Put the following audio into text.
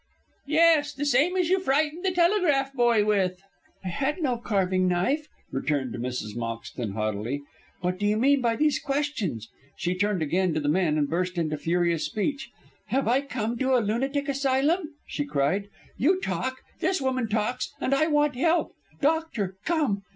"Yes, the same as you frightened the telegraph boy with?" "I had no carving knife," returned Mrs. Moxton, haughtily. "What do you mean by these questions?" She turned again to the men and burst into furious speech. "Have I come to a lunatic asylum?" she cried. "You talk, this woman talks, and I want help. Doctor, come!